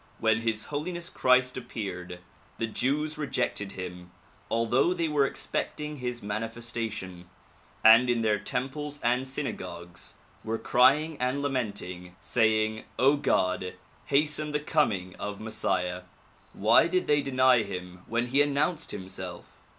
When His Holiness Christ appeared, the Jews rejected him although they were expecting his manifestation, and in their temples and synagogues were crying and lamenting, saying "0 God, hasten the coming of Messiah!" Why did they deny him when he announced himself?